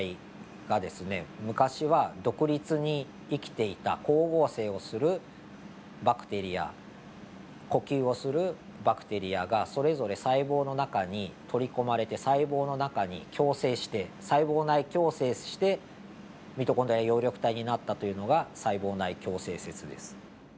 昔は独立に生きていた光合成をするバクテリア呼吸をするバクテリアがそれぞれ細胞の中に取り込まれて細胞の中に共生して細胞内共生してミトコンドリアや葉緑体になったというのが細胞内共生説です。